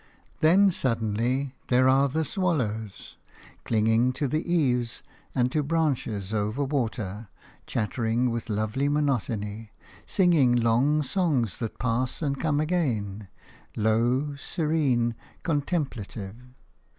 Then suddenly there are the swallows, clinging to the eaves and to branches over water, chattering with lovely monotony, singing long songs that pass and come again – low, serene, contemplative.